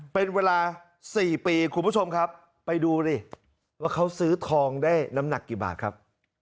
เป็นเวลา๔ปีคุณผู้ชมครับไปดูดิว่าเขาซื้อทองได้น้ำหนักกี่บาทครับ